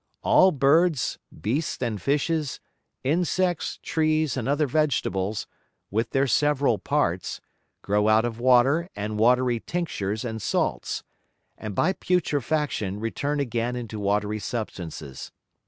All Birds, Beasts and Fishes, Insects, Trees, and other Vegetables, with their several Parts, grow out of Water and watry Tinctures and Salts, and by Putrefaction return again into watry Substances.